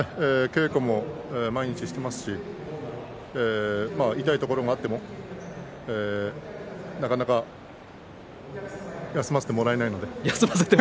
稽古も毎日していますし痛いところがあってもなかなか休ませてもらえないので。